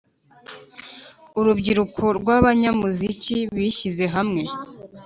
urubyiruko rw’abanyamuziki, bishyize hamwe